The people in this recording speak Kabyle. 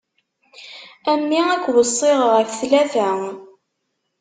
A mmi ad k-weṣṣiɣ ɣef tlata.